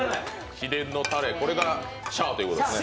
秘伝のたれ、これがシャーということですね。